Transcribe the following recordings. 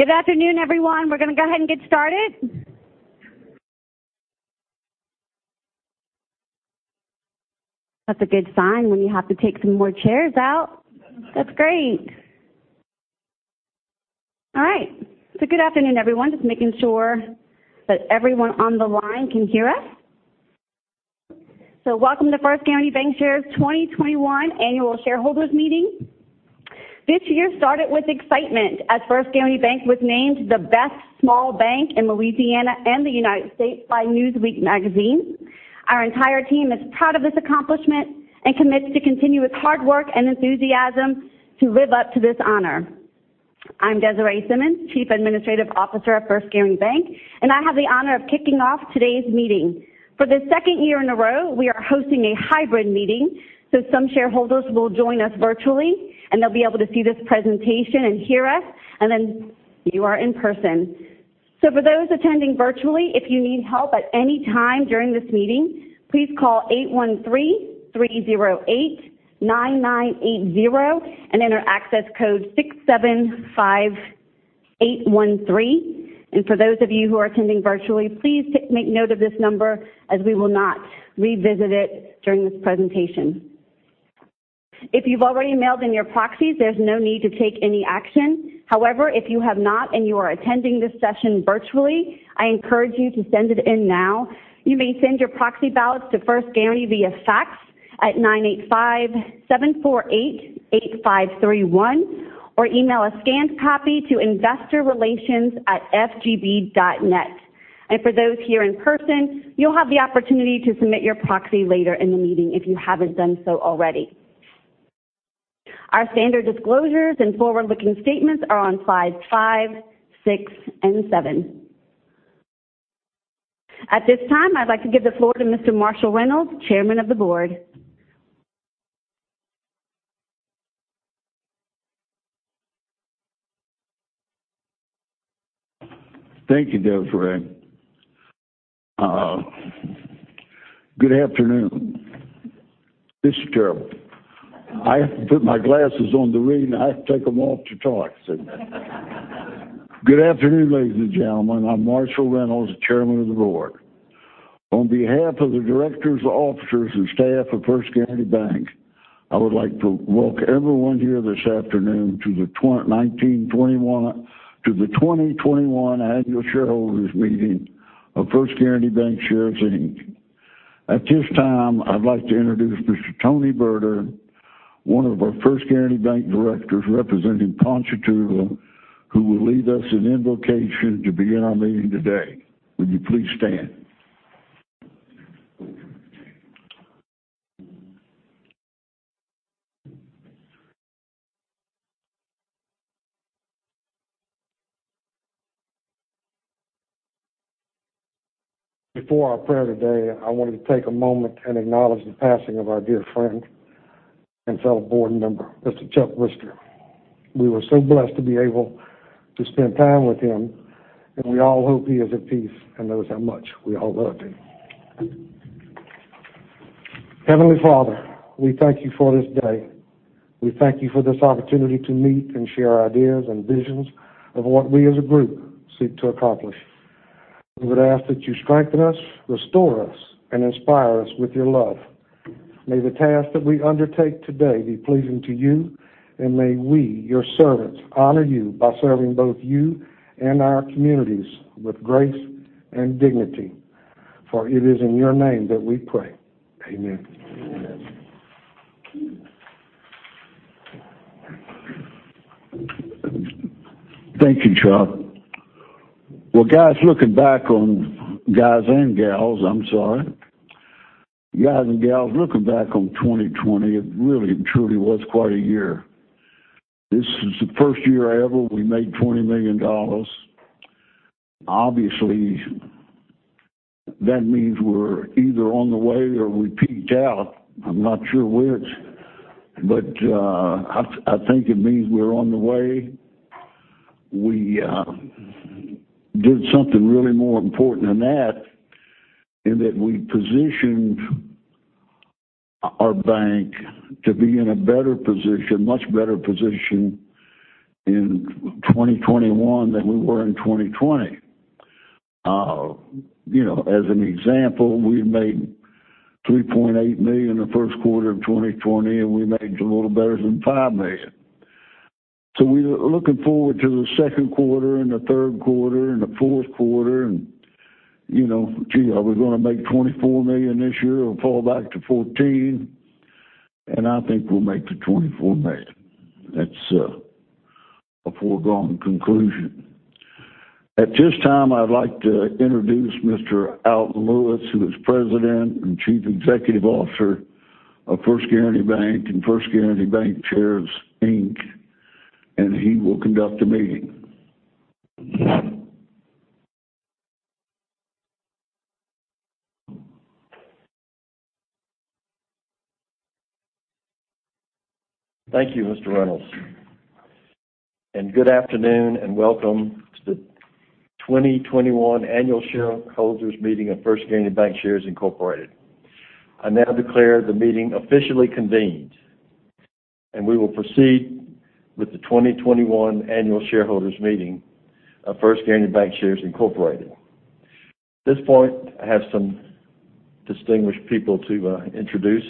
Good afternoon, everyone. We're going to go ahead and get started. That's a good sign when you have to take some more chairs out. That's great. All right. Good afternoon, everyone. Just making sure that everyone on the line can hear us. Welcome to First Guaranty Bancshares 2021 Annual Shareholders Meeting. This year started with excitement as First Guaranty Bank was named the best small bank in Louisiana and the United States by "Newsweek" magazine. Our entire team is proud of this accomplishment and commits to continue with hard work and enthusiasm to live up to this honor. I'm Desiree Simmons, Chief Administrative Officer at First Guaranty Bank, and I have the honor of kicking off today's meeting. For the second year in a row, we are hosting a hybrid meeting, so some shareholders will join us virtually, and they'll be able to see this presentation and hear us, and then you are in person. For those attending virtually, if you need help at any time during this meeting, please call 813-308-9980 and enter access code 675813. For those of you who are attending virtually, please make note of this number as we will not revisit it during this presentation. If you've already mailed in your proxies, there's no need to take any action. However, if you have not and you are attending this session virtually, I encourage you to send it in now. You may send your proxy ballots to First Guaranty via fax at 985-748-8531 or email a scanned copy to investorrelations@fgb.net. For those here in person, you'll have the opportunity to submit your proxy later in the meeting if you haven't done so already. Our standard disclosures and forward-looking statements are on slides five, six, and seven. At this time, I'd like to give the floor to Mr. Marshall T. Reynolds, Chairman of the Board. Thank you, Desiree. Good afternoon. This is terrible. I have to put my glasses on to read, and I have to take them off to talk. Good afternoon, ladies and gentlemen. I'm Marshall Reynolds, Chairman of the Board. On behalf of the Directors, officers, and staff of First Guaranty Bank, I would like to welcome everyone here this afternoon to the 2021 Annual Shareholders Meeting of First Guaranty Bancshares, Inc. At this time, I'd like to Tony Berner, one of our First Guaranty Bank Directors representing Ponchatoula, who will lead us in invocation to begin our meeting today. Will you please stand? Before our prayer today, I wanted to take a moment and acknowledge the passing of our dear friend and fellow Board member, Mr. Chuck Brister. We were so blessed to be able to spend time with him, and we all hope he is at peace and knows how much we all loved him. Heavenly Father, we thank you for this day. We thank you for this opportunity to meet and share ideas and visions of what we as a group seek to accomplish. We would ask that you strengthen us, restore us, and inspire us with your love. May the task that we undertake today be pleasing to you, and may we, your servants, honor you by serving both you and our communities with grace and dignity. For it is in your name that we pray, amen. Amen. Thank you, Chuck. Well, guys and gals, I'm sorry. Guys and gals, looking back on 2020, it really and truly was quite a year. This is the first year ever we made $20 million. Obviously, that means we're either on the way or we peaked out. I'm not sure which, but I think it means we're on the way. We did something really more important than that in that we positioned our bank to be in a much better position in 2021 than we were in 2020. As an example, we made $3.8 million the first quarter of 2020, and we made a little better than $5 million. We are looking forward to the second quarter and the third quarter and the fourth quarter. Are we going to make $24 million this year or fall back to $14? I think we'll make the $24 million. That's a foregone conclusion. At this time, I'd like to introduce Mr. Alton Lewis, who is President and Chief Executive Officer of First Guaranty Bank and First Guaranty Bancshares, Inc. He will conduct the meeting. Thank you, Mr. Reynolds. Good afternoon and welcome to the 2021 Annual Shareholders Meeting of First Guaranty Bancshares Incorporated. I now declare the meeting officially convened, and we will proceed with the 2021 Annual Shareholders Meeting of First Guaranty Bancshares Incorporated. At this point, I have some distinguished people to introduce.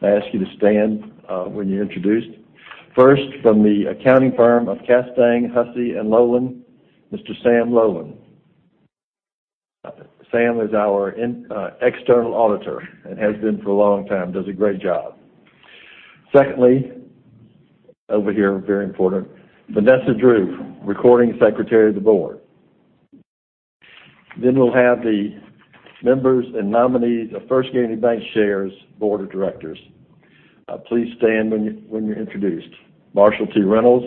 I ask you to stand when you're introduced. First, from the accounting firm of Castaing, Hussey & Lolan, Mr. Sam Lolan. Sam is our external auditor and has been for a long time. Does a great job. Secondly, over here, very important, Vanessa R. Drew, Recording Secretary of the Board. Then we'll have the members and nominees of First Guaranty Bancshares Board of Directors. Please stand when you're introduced. Marshall T. Reynolds.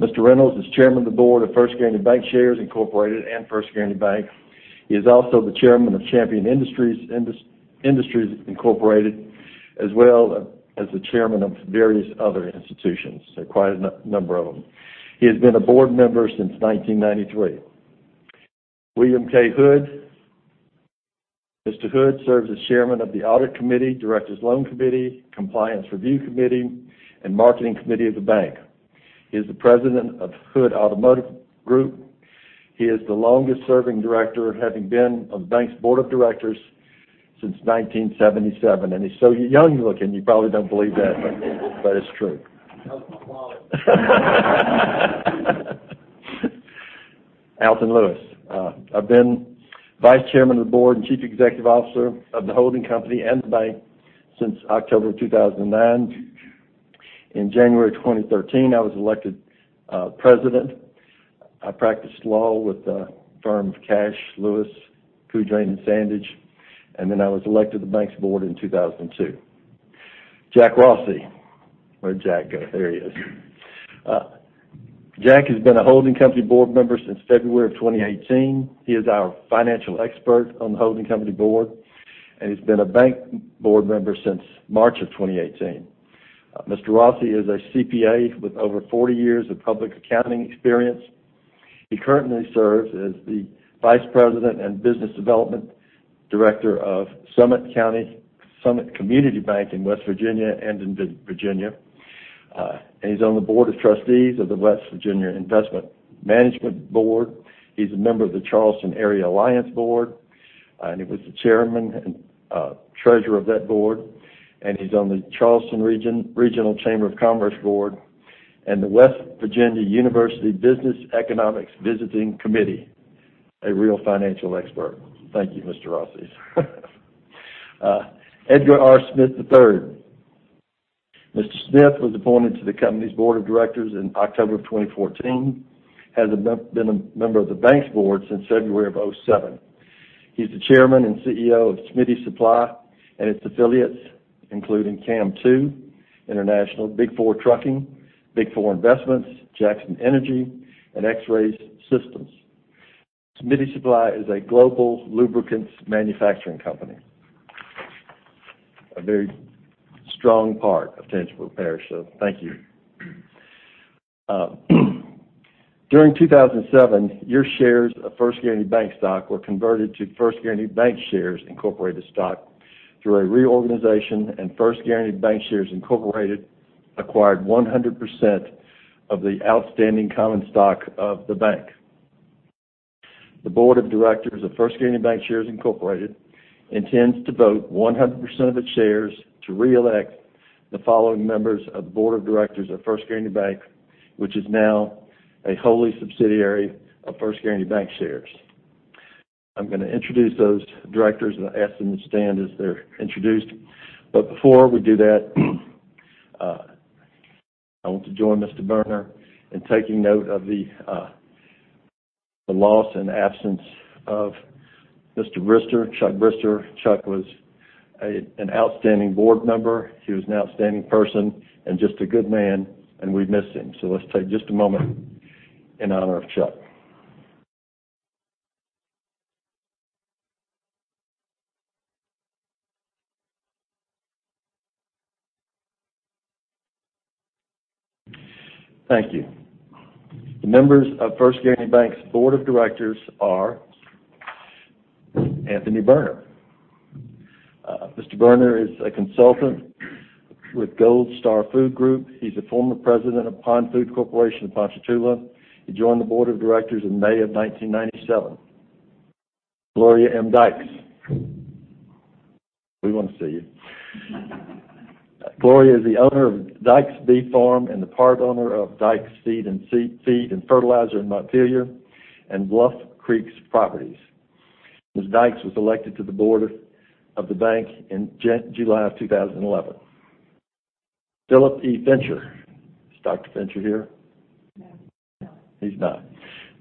Mr. Reynolds is Chairman of the Board of First Guaranty Bancshares Incorporated and First Guaranty Bank. He is also the Chairman of Champion Industries Incorporated, as well as the Chairman of various other institutions. So quite a number of them. He has been a Board member since 1993. William K. Hood. Mr. Hood serves as Chairman of the Audit committee, Directors Loan committee, Compliance Review committee, and Marketing committee of the bank. He is the president of Hood Automotive Group. He is the longest-serving director, having been on the bank's Board of Directors since 1977. He's so young-looking, you probably don't believe that, but it's true. Alton Lewis. I've been vice Chairman of the Board and Chief Executive Officer of the holding company and the bank since October of 2009. In January 2013, I was elected President. I practiced law with the firm of Cash, Lewis, Coudrain, & Sandridge, and then I was elected to the bank's Board in 2002. Jack Rossi. Where'd Jack go? There he is. Jack has been a holding company Board member since February of 2018. He is our financial expert on the holding company Board, he's been a bank Board member since March of 2018. Mr. Rossi is a CPA with over 40 years of public accounting experience. He currently serves as the Vice President and Business Development Director of Summit Community Bank in West Virginia and in Virginia. He's on the Board of trustees of the West Virginia Investment Management Board. He's a member of the Charleston Area Alliance Board- he was the Chairman and Treasurer of that Board. He's on the Charleston Regional Chamber of Commerce Board and the West Virginia University Business Economics Visiting Committee. A real financial expert. Thank you, Mr. Rossi. Edgar R. Smith III. Mr. Smith was appointed to the company's Board of Directors in October of 2014, has been a member of the bank's Board since February of 2007. He's the Chairman and CEO of Smitty's Supply and its affiliates, including CAM2 International, Big 4 Trucking, Big 4 Investments, Jaxon Energy, and X-Ray Systems. Smitty's Supply is a global lubricants manufacturing company. A very strong part of Tangipahoa parish, so thank you. During 2007, your shares of First Guaranty Bank stock were converted to First Guaranty Bancshares Incorporated stock through a reorganization and First Guaranty Bancshares Incorporated acquired 100% of the outstanding common stock of the bank. The Board of Directors of First Guaranty Bancshares Incorporated intends to vote 100% of its shares to reelect the following members of the Board of Directors of First Guaranty Bank, which is now a wholly subsidiary of First Guaranty Bancshares. I'm going to introduce those Directors and ask them to stand as they're introduced. Before we do that, I want to join Mr. Tony Berner in taking note of the loss and absence of Mr. Chuck Brister, Chuck Brister. Chuck was an outstanding Board member. He was an outstanding person and just a good man, and we miss him. Let's take just a moment in honor of Chuck. Thank you. The members of First Guaranty Bank's Board of Directors are- Anthony Berner. Mr. Berner is a consultant with Gold Star Food Group. He's a former president of Pon Food Corporation in Ponchatoula. He joined the Board of Directors in May of 1997. Gloria M. Dykes. We want to see you. Gloria is the owner of Dykes Bee Farm and the part owner of Dykes Seed and Feed and Fertilizer in Montpelier and Bluff Creek Properties. Ms. Dykes was elected to the Board of the bank in July of 2011. Philip E. Fincher. Is Dr. Fincher here? No. He's not. He's not.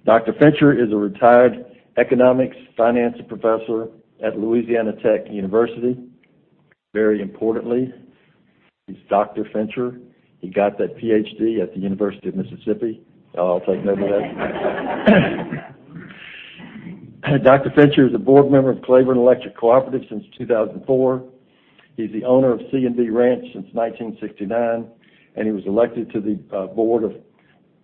Dr. Fincher is a retired economics finance professor at Louisiana Tech University. Very importantly, he's Dr. Fincher. He got that PhD at the University of Mississippi. I'll take note of that. Dr. Fincher is a Board member of Claiborne Electric Cooperative since 2004. He's the owner of C&B Ranch since 1969, and he was elected to the Board of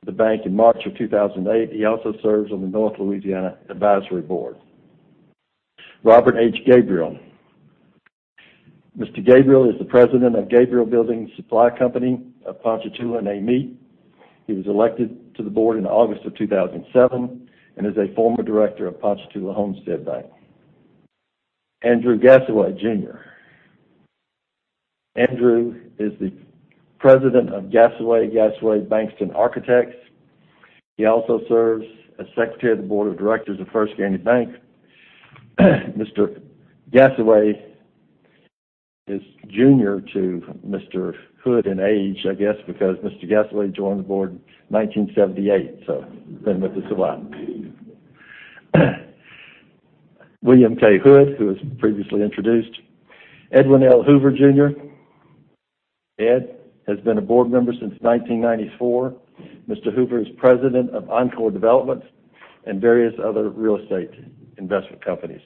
the bank in March of 2008. He also serves on the North Louisiana Advisory Board. Robert H. Gabriel. Mr. Gabriel is the president of Gabriel Building Supply Company of Ponchatoula and Amite. He was elected to the Board in August of 2007 and is a former Director of Ponchatoula Homestead Bank. Andrew Gasaway Jr. Andrew is the president of Gasaway Gasaway Bankston Architects. He also serves as secretary of the Board of Directors of First Guaranty Bank. Mr. Gasaway is junior to Mr. Hood in age, I guess, because Mr. Gasaway joined the Board in 1978. William K. Hood, who was previously introduced. Edwin L. Hoover Jr. Ed has been a Board member since 1994. Mr. Hoover is President of Encore Development and various other real estate investment companies.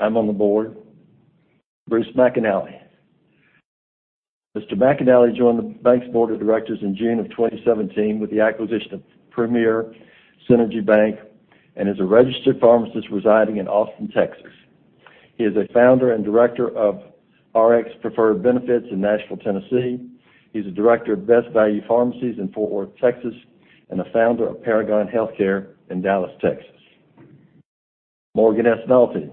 I'm on the Board. Bruce McAnally. Mr. McAnally joined the bank's Board of Directors in June of 2017 with the acquisition of Premier Synergy Bank and is a registered pharmacist residing in Austin, Texas. He is a founder and director of RxPreferred Benefits in Nashville, Tennessee. He's a director of Best Value Pharmacies in Fort Worth, Texas, and a founder of Paragon Healthcare in Dallas, Texas. Morgan S. Nalty.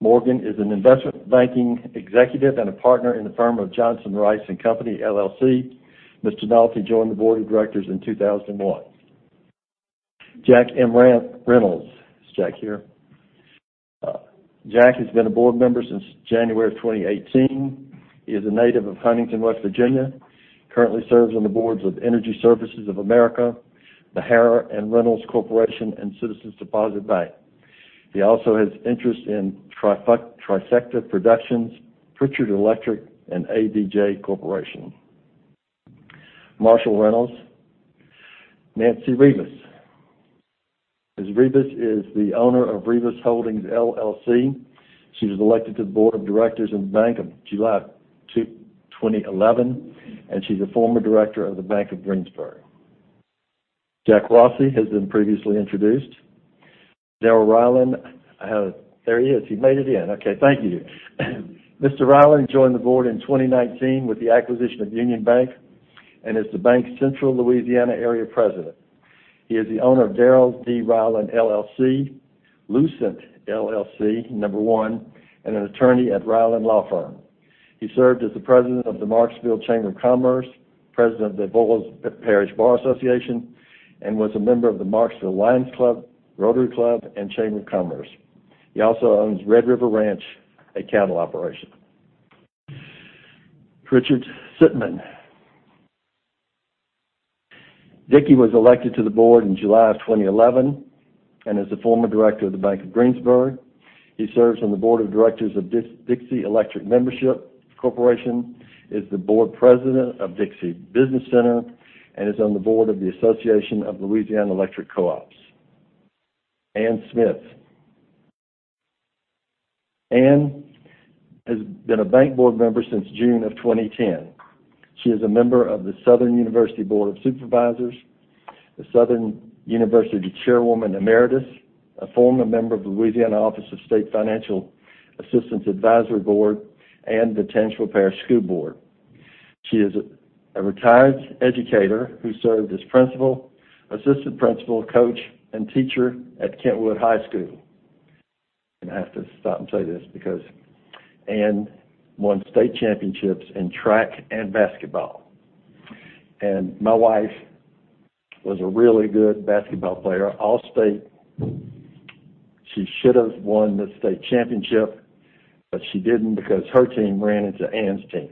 Morgan is an investment banking executive and a partner in the firm of Johnson, Rice & Company LLC. Mr. Nalty joined the Board of Directors in 2001. Jack M. Reynolds. Is Jack here? Jack has been a Board member since January of 2018. He is a native of Huntington, West Virginia. Currently serves on the Boards of Energy Services of America, the Harrah & Reynolds Corporation, and Citizens Deposit Bank. He also has interest in Trifecta Productions, Pritchard Electric, and ADJ Corporation. Marshall Reynolds. Nancy Ribas. Ms. Ribas is the owner of Ribas Holdings LLC. She was elected to the Board of Directors of the bank in July of 2011, and she's a former Director of the Bank of Greensburg. Jack Rossi has been previously introduced. Darrel D. Ryland. There he is. He made it in. Okay. Thank you. Mr. Ryland joined the Board in 2019 with the acquisition of The Union Bank and is the bank's Central Louisiana area President. He is the owner of Darrel D. Ryland LLC, Lucent LLC, [number one], and an attorney at Ryland Law Firm. He served as the President of the Marksville Chamber of Commerce, President of the Avoyelles Parish Bar Association, and was a member of the Marksville Lions Club, Rotary Club, and Chamber of Commerce. He also owns Red River Ranch, a cattle operation. Richard S. Tuminello. Dickie was elected to the Board in July of 2011 and is a former Director of the Bank of Greensburg. He serves on the Board of Directors of Dixie Electric Membership Corporation, is the Board president of Dixie Business Center, and is on the Board of the Association of Louisiana Electric Cooperatives. Anne Smith. Anne has been a bank Board member since June of 2010. She is a member of the Southern University Board of Supervisors, the Southern University Chairwoman Emeritus, a former member of the Louisiana Office of Student Financial Assistance Advisory Board, and the Tangipahoa Parish School Board. She is a retired educator who served as principal, assistant principal, coach, and teacher at Kentwood High School. I have to stop and say this because Anne won state championships in track and basketball. My wife was a really good basketball player, All-State. She should have won the state championship, but she didn't because her team ran into Anne's team.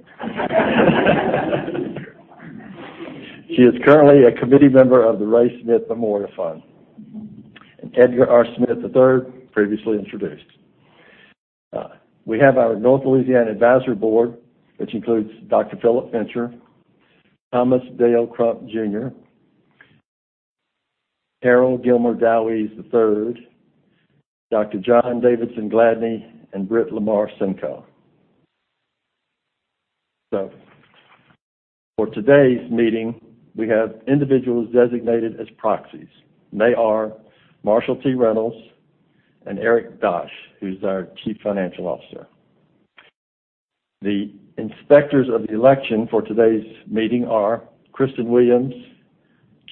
She is currently a committee member of the Ray Smith Memorial Fund. Edgar R. Smith III, previously introduced. We have our North Louisiana Advisory Board, which includes Philip E. Fincher, Thomas Dale Crump, Jr., Carrell G. Dowies III, John Davidson Gladney, and Britt Lamar Simco. For today's meeting, we have individuals designated as proxies, and they are Marshall T. Reynolds and Eric Dosch, who's our Chief Financial Officer. The inspectors of the election for today's meeting are Kristin Williams,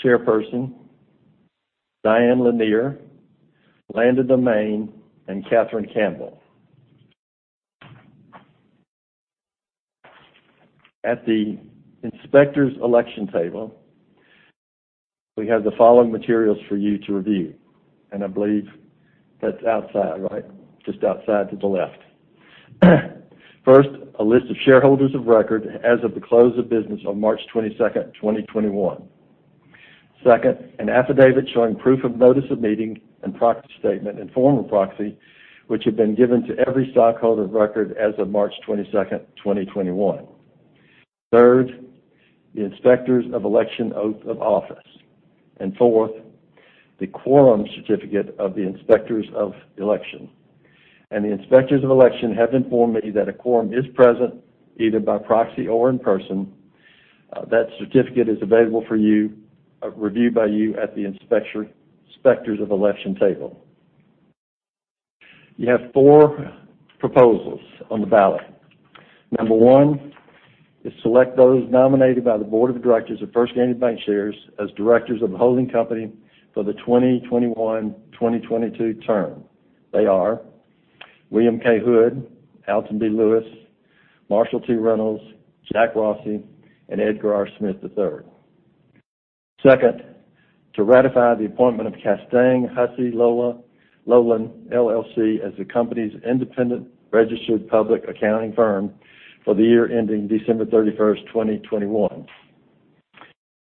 chairperson, Diane Lanier, Landon [Domain], and Katherine Campbell. At the inspector's election table, we have the following materials for you to review. I believe that's outside, right? Just outside to the left. First, a list of shareholders of record as of the close of business on March 22nd, 2021. Second, an affidavit showing proof of notice of meeting and proxy statement and form of proxy, which have been given to every stockholder of record as of March 22nd, 2021. Third, the inspectors of election oath of office. Fourth, the quorum certificate of the inspectors of election. The inspectors of election have informed me that a quorum is present, either by proxy or in person. That certificate is available for review by you at the inspectors of election table. You have four proposals on the ballot. Number one is select those nominated by the Board of Directors of First Guaranty Bancshares as Directors of the holding company for the 2021-2022 term. They are William K. Hood, Alton B. Lewis, Marshall T. Reynolds, Jack Rossi, and Edgar R. Smith III. Second, to ratify the appointment of Castaing, Hussey & Lolan, LLC as the company's independent registered public accounting firm for the year ending December 31st, 2021.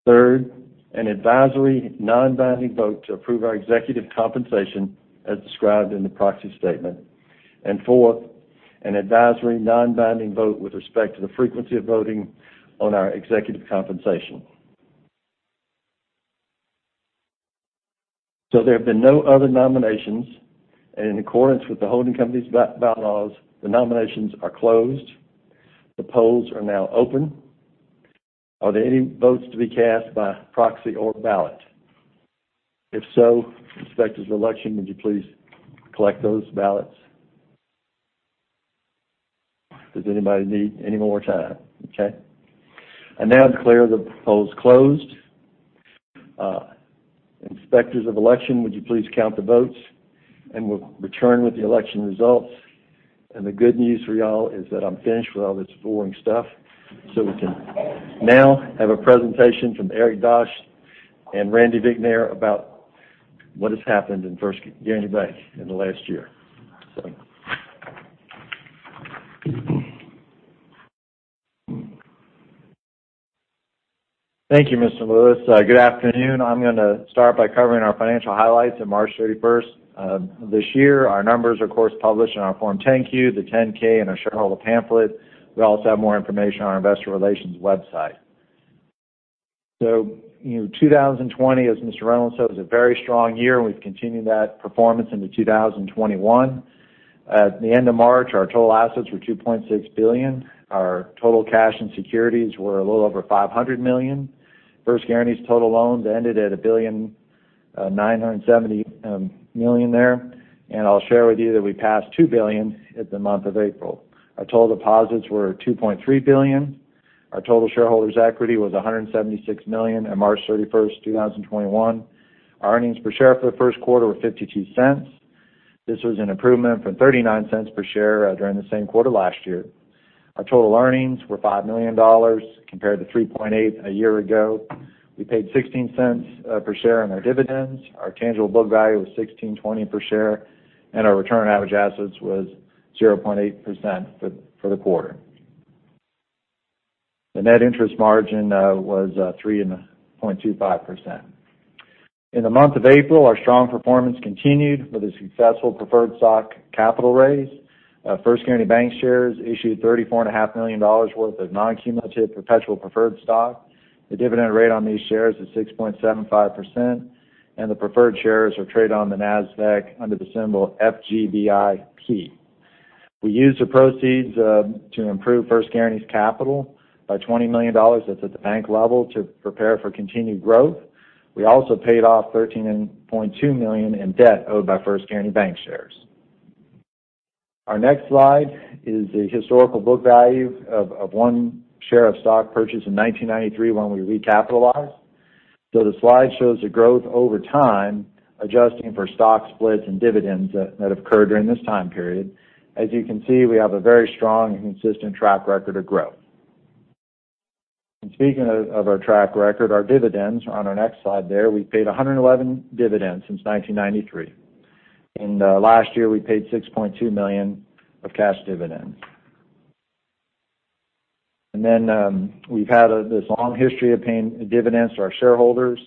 Third, an advisory non-binding vote to approve our executive compensation as described in the proxy statement. Fourth, an advisory non-binding vote with respect to the frequency of voting on our executive compensation. There have been no other nominations, and in accordance with the holding company's bylaws, the nominations are closed. The polls are now open. Are there any votes to be cast by proxy or ballot? If so, inspectors of election, would you please collect those ballots? Does anybody need any more time? Okay. I now declare the polls closed. Inspectors of election, would you please count the votes? We'll return with the election results. The good news for y'all is that I'm finished with all this boring stuff, we can now have a presentation from Eric Dosch and Randy Vicknair about what has happened in First Guaranty Bank in the last year. Thank you, Mr. Lewis. Good afternoon. I'm going to start by covering our financial highlights of March 31st of this year. Our numbers are, of course, published in our Form 10-Q, the 10-K, and our shareholder pamphlet. We also have more information on our investor relations website. 2020, as Mr. Reynolds said, was a very strong year, and we've continued that performance into 2021. At the end of March, our total assets were $2.6 billion. Our total cash and securities were a little over $500 million. First Guaranty's total loans ended at $1.97 billion there. I'll share with you that we passed $2 billion in the month of April. Our total deposits were $2.3 billion. Our total shareholders' equity was $176 million on March 31st, 2021. Our earnings per share for the first quarter were $0.52. This was an improvement from $0.39 per share during the same quarter last year. Our total earnings were $5 million, compared to $3.8 million a year ago. We paid $0.16 per share in our dividends. Our tangible book value was $16.20 per share, and our return on average assets was 0.8% for the quarter. The net interest margin was 3.25%. In the month of April, our strong performance continued with a successful preferred stock capital raise. First Guaranty Bancshares issued $34.5 million worth of non-cumulative perpetual preferred stock. The dividend rate on these shares is 6.75%, and the preferred shares are traded on the Nasdaq under the symbol FGBIP. We used the proceeds to improve First Guaranty's capital by $20 million that's at the bank level to prepare for continued growth. We also paid off $13.2 million in debt owed by First Guaranty Bancshares. Our next slide is the historical book value of one share of stock purchased in 1993 when we recapitalized. The slide shows the growth over time, adjusting for stock splits and dividends that occurred during this time period. As you can see, we have a very strong and consistent track record of growth. Speaking of our track record, our dividends are on our next slide there. We paid 111 dividends since 1993. Last year, we paid $6.2 million of cash dividends. We've had this long history of paying dividends to our shareholders.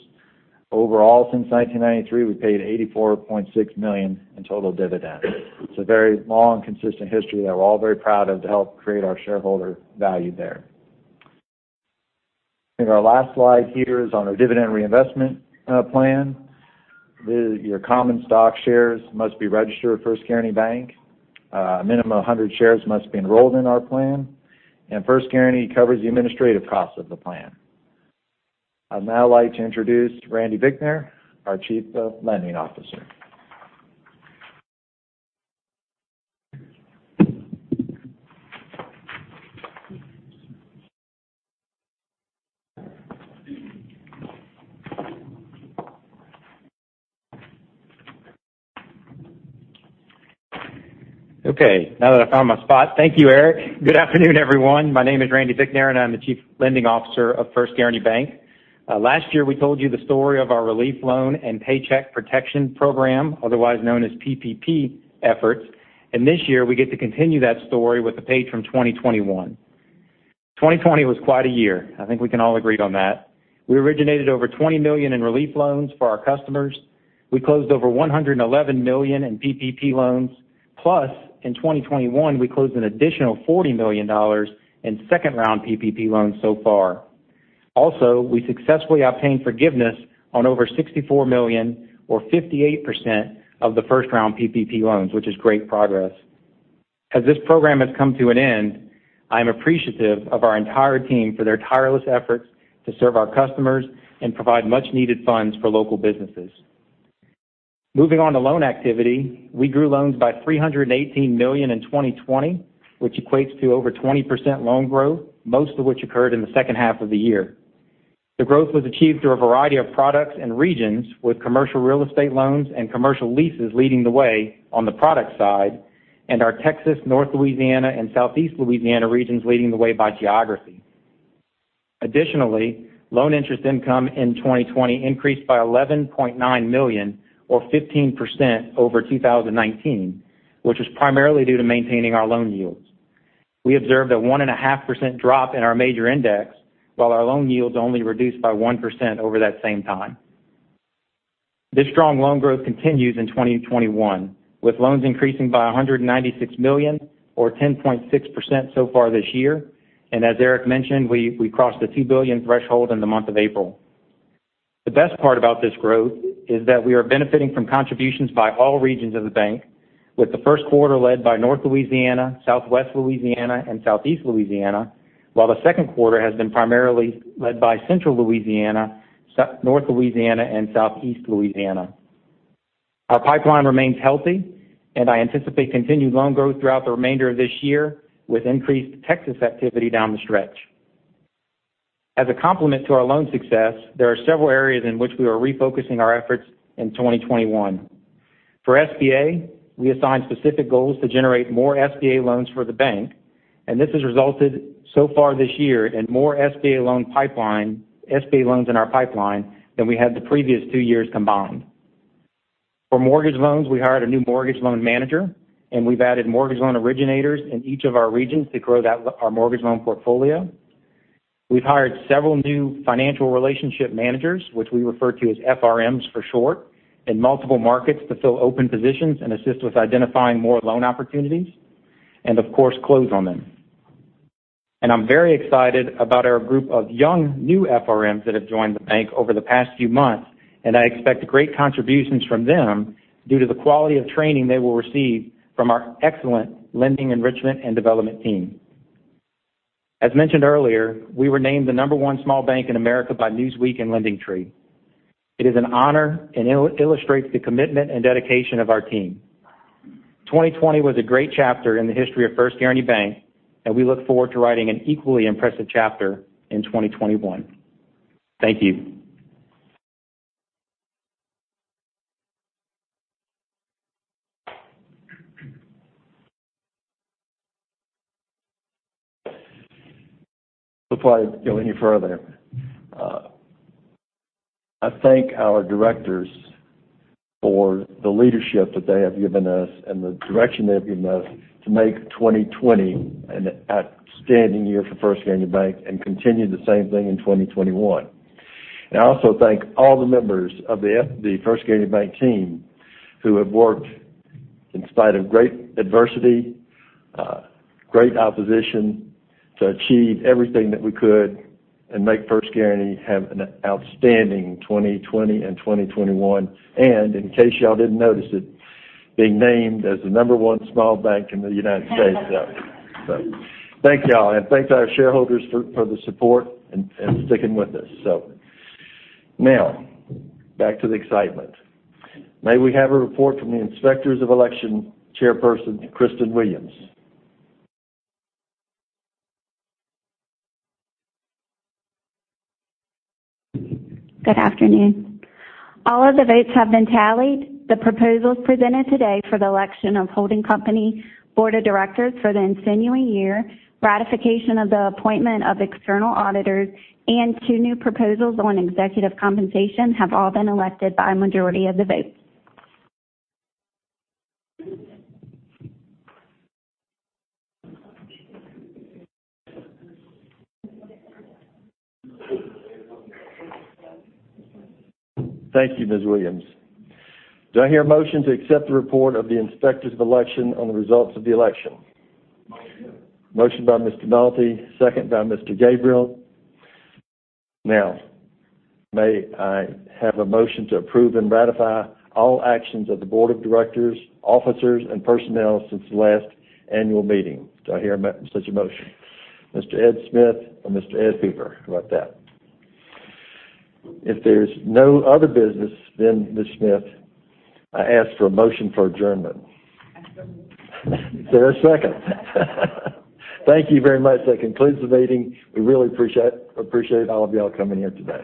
Overall, since 1993, we paid $84.6 million in total dividends. It's a very long, consistent history that we're all very proud of to help create our shareholder value there. In our last slide here is on our dividend reinvestment plan. Your common stock shares must be registered at First Guaranty Bank. A minimum of 100 shares must be enrolled in our plan, and First Guaranty covers the administrative costs of the plan. I'd now like to introduce Randy Vicknair, our Chief Lending Officer. Okay, now that I found my spot. Thank you, Eric. Good afternoon, everyone. My name is Randy Vicknair, and I'm the Chief Lending Officer of First Guaranty Bank. Last year, we told you the story of our relief loan and Paycheck Protection Program, otherwise known as PPP efforts. This year, we get to continue that story with the page from 2021. 2020 was quite a year. I think we can all agree on that. We originated over $20 million in relief loans for our customers. We closed over $111 million in PPP loans. In 2021, we closed an additional $40 million in second-round PPP loans so far. We successfully obtained forgiveness on over $64 million, or 58% of the first-round PPP loans, which is great progress. As this program has come to an end, I'm appreciative of our entire team for their tireless efforts to serve our customers and provide much-needed funds for local businesses. Moving on to loan activity, we grew loans by $318 million in 2020, which equates to over 20% loan growth, most of which occurred in the second half of the year. The growth was achieved through a variety of products and regions, with commercial real estate loans and commercial leases leading the way on the product side, and our Texas, North Louisiana, and Southeast Louisiana regions leading the way by geography. Loan interest income in 2020 increased by $11.9 million or 15% over 2019, which is primarily due to maintaining our loan yields. We observed a 1.5% drop in our major index, while our loan yields only reduced by 1% over that same time. This strong loan growth continues in 2021, with loans increasing by $196 million or 10.6% so far this year. As Eric mentioned, we crossed the $2 billion threshold in the month of April. The best part about this growth is that we are benefiting from contributions by all regions of the bank- with the first quarter led by North Louisiana, Southwest Louisiana, and Southeast Louisiana, while the second quarter has been primarily led by Central Louisiana, North Louisiana, and Southeast Louisiana. Our pipeline remains healthy, I anticipate continued loan growth throughout the remainder of this year, with increased Texas activity down the stretch. As a complement to our loan success, there are several areas in which we are refocusing our efforts in 2021. For SBA, we assigned specific goals to generate more SBA loans for the bank, and this has resulted so far this year in more SBA loans in our pipeline than we had the previous two years combined. For mortgage loans, we hired a new mortgage loan manager, and we've added mortgage loan originators in each of our regions to grow our mortgage loan portfolio. We've hired several new financial relationship managers, which we refer to as FRMs for short, in multiple markets to fill open positions and assist with identifying more loan opportunities and, of course, close on them. I'm very excited about our group of young, new FRMs that have joined the bank over the past few months, and I expect great contributions from them due to the quality of training they will receive from our excellent lending enrichment and development team. As mentioned earlier, we were named the number one small bank in America by Newsweek and LendingTree. It is an honor and illustrates the commitment and dedication of our team. 2020 was a great chapter in the history of First Guaranty Bank, we look forward to writing an equally impressive chapter in 2021. Thank you. Before I go any further, I thank our Directors for the leadership that they have given us and the direction they've given us to make 2020 an outstanding year for First Guaranty Bank and continue the same thing in 2021. I also thank all the members of the First Guaranty Bank team who have worked in spite of great adversity, great opposition to achieve everything that we could and make First Guaranty have an outstanding 2020 and 2021, and in case you all didn't notice it, being named as the number one small bank in the United States. Thank you all, and thank our shareholders for the support and sticking with us. Now back to the excitement. May we have a report from the inspectors of election chairperson Kristin Williams. Good afternoon. All of the votes have been tallied. The proposals presented today for the election of holding company Board of Directors for the ensuing year, ratification of the appointment of external auditors, and two new proposals on executive compensation have all been elected by a majority of the votes. Thank you, Ms. Williams. Do I hear a motion to accept the report of the inspectors of election on the results of the election? Motion by Mr. Nalty, second by Mr. Gabriel. May I have a motion to approve and ratify all actions of the Board of Directors, officers, and personnel since the last annual meeting? Do I hear such a motion? Mr. Ed Smith and Mr. Ed Hoover. How about that? If there's no other business, Ms. Smith, I ask for a motion for adjournment. Is there a second? Thank you very much. That concludes the meeting. We really appreciate all of you all coming in today.